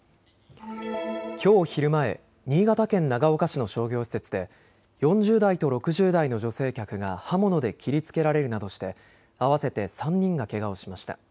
きょう昼前、新潟県長岡市の商業施設で４０代と６０代の女性客が刃物で切りつけられるなどして合わせて３人がけがをしました。